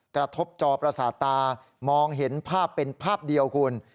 กระทบจอประสาทตามองเห็นภาพเป็นภาพเดียวคุณ